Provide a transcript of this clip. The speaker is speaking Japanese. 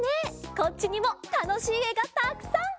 こっちにもたのしいえがたくさん！